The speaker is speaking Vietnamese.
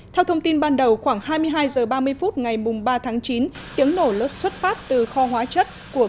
theo thông tin ban đầu khoảng hai mươi hai h ba mươi phút ngày ba tháng chín tiếng nổ lớp xuất phát từ kho hóa chất của